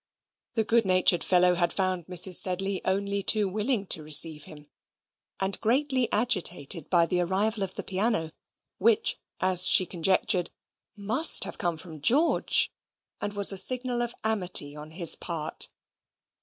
The good natured fellow had found Mrs. Sedley only too willing to receive him, and greatly agitated by the arrival of the piano, which, as she conjectured, MUST have come from George, and was a signal of amity on his part.